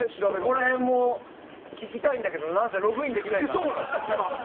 そこら辺も聞きたいんだけど何せログインできないから。